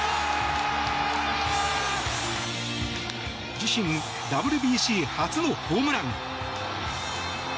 自身、ＷＢＣ初のホームラン。